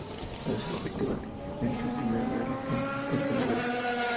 A veces se cultiva en invernadero, en contenedores.